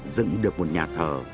dựng được một nhà thờ